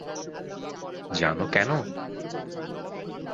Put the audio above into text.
জানো কেন?